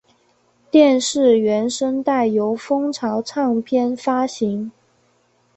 电视原声带由风潮唱片发行。